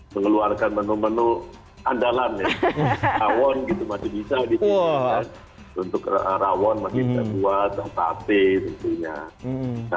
mengeluarkan menu menu andalan awon gitu masih bisa dikira untuk rawon makin buat tapi tentunya